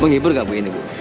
menghibur gak ibu ini